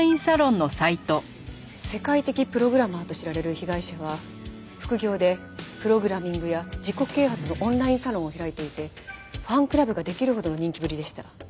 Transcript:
世界的プログラマーと知られる被害者は副業でプログラミングや自己啓発のオンラインサロンを開いていてファンクラブができるほどの人気ぶりでした。